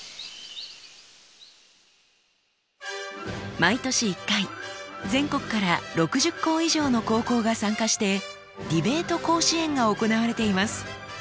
毎年一回全国から６０校以上の高校が参加してディベート甲子園が行われています。